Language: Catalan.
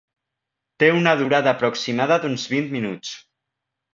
Té una durada aproximada d'uns vint minuts.